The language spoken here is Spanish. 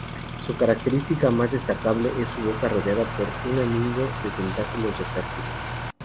Su característica más destacable es su boca, rodeada por un anillo de tentáculos retráctiles.